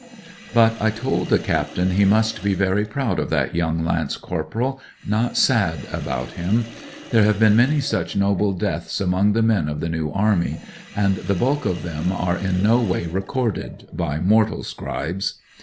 But I told the captain he must be very proud of that young lance corporal, not sad about him. There have been many such noble deaths among the men of the New Army, and the bulk of them are in no way recorded — ^by mortal scribes.